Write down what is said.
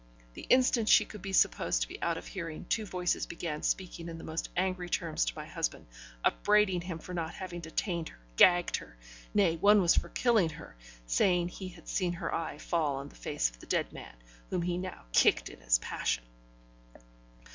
The instant she could be supposed to be out of hearing, two voices began speaking in the most angry terms to my husband, upbraiding him for not having detained her, gagged her nay, one was for killing her, saying he had seen her eye fall on the face of the dead man, whom he now kicked in his passion.